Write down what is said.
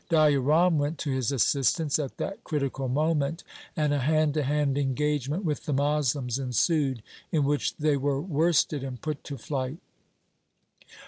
Daya Ram went to his assist ance at that critical moment, and a hand to hand engagement with the Moslems ensued, in which they were worsted and put to flight.